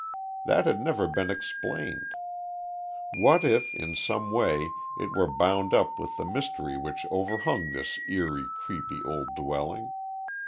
That had never been explained. What if in some way it were bound up with the mystery which overhung this eerie, creepy old dwelling?